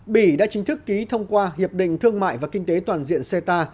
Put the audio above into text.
bỉ đã chính thức ký thông qua hiệp định thương mại và kinh tế toàn diện cta